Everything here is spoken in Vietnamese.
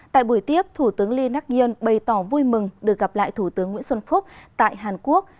tại buổi tiếp thủ tướng lee nak yoon bày tỏ vui mừng được gặp lại thủ tướng nguyễn xuân phúc tại hàn quốc